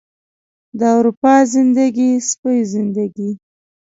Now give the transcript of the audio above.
د اروپا زندګي، سپۍ زندګي